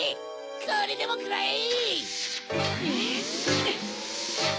これでもくらえ！